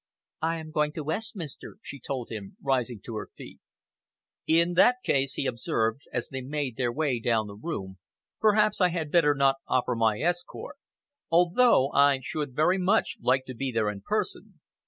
"I am going to Westminster," she told him, rising to her feet. "In that case," he observed, as they made their way down the room, "perhaps I had better not offer my escort, although I should very much like to be there in person.